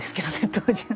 当時は。